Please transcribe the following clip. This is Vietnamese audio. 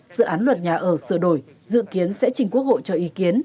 dự án luật nhà ở sửa đổi dự kiến sẽ trình quốc hội cho ý kiến